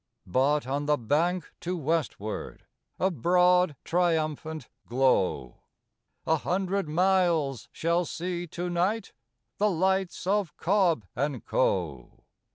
But on the bank to westward a broad, triumphant glow A hundred miles shall see to night the lights of Cobb and Co.!